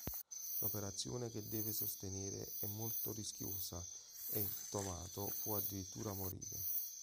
L'operazione che deve sostenere è molto rischiosa e Tomato può addirittura morire.